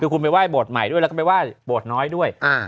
คุณไปว่ายโบสถ์ใหม่ด้วยแล้วก็ไปว่ายโบสถ์น้อยด้วย